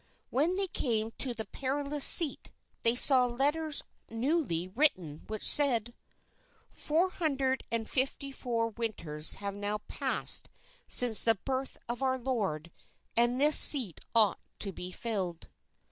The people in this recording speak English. When they came to the Perilous Seat, they saw letters newly written which said: "Four hundred and fifty four winters have now passed since the birth of our Lord, and this seat ought to be filled."